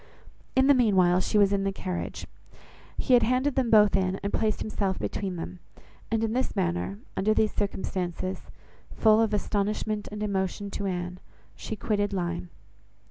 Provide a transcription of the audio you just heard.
In the meanwhile she was in the carriage. He had handed them both in, and placed himself between them; and in this manner, under these circumstances, full of astonishment and emotion to Anne, she quitted Lyme.